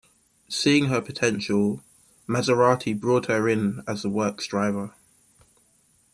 Seeing her potential, Maserati brought her in as the works driver.